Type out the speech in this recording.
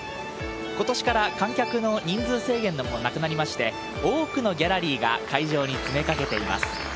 ことしから観客の人数制限もなくなりまして、多くのギャラリーが会場に詰めかけています。